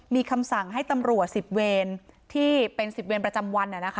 มีคำสั่งให้ตำรวจสิบเวรที่เป็นสิบเวรประจำวันอ่ะนะคะ